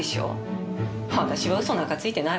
私は嘘なんかついてないわよ。